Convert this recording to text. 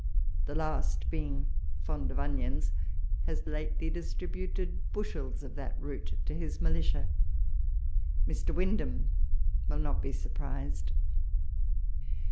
The last, being fond of onions, has lately distributed bushels of that root to his Militia ; Mr. Wind ham will not be surprised.